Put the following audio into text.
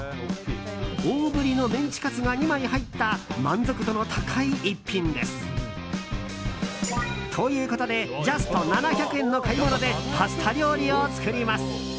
大ぶりのメンチカツが２枚入った満足度の高い一品です。ということでジャスト７００円の買い物でパスタ料理を作ります。